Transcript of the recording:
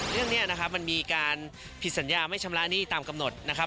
เรื่องนี้นะครับมันมีการผิดสัญญาไม่ชำระหนี้ตามกำหนดนะครับ